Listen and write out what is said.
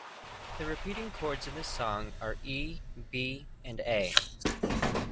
The repeating chords in this song are E, B, and A.